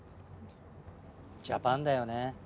ジャパンだよね。